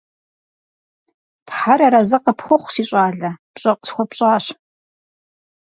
Тхьэр арэзы къыпхухъу, си щӀалэ, пщӀэ къысхуэпщӀащ.